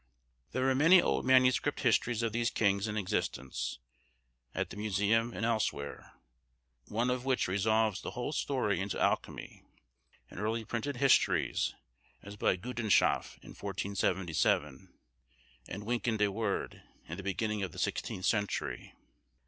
There are many old manuscript histories of these kings in existence, at the Museum and elsewhere, one of which resolves the whole story into alchemy; and early printed histories, as by Güldenschaiff, in 1477, and Wynkyn de Worde, in the beginning of the sixteenth century.